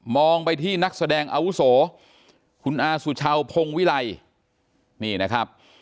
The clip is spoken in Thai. ไปที่นักแสดงอาวุโสคุณอาสุชาวพงวิไลนี่นะครับ